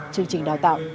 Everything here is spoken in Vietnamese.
chương trình đào tạo